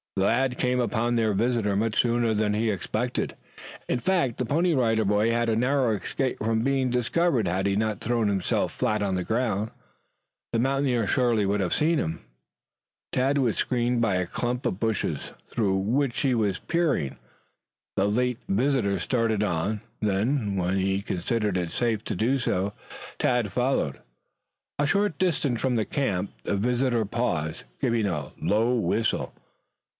The lad came upon their visitor much sooner than he had expected. In fact, the Pony Rider Boy had a narrow escape from being discovered. Had he not thrown himself flat on the ground, the mountaineer surely would have seen him, for at the moment of discovering the man the fellow was turning to look back. Tad was screened by a clump of bushes, through which he was peering. The late visitor started on; then, when he considered it safe to do so, Tad followed. A short distance from the camp the visitor paused, giving a low whistle.